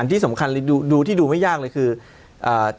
ที่สำคัญดูที่ดูไม่ยากเลยคืออ่า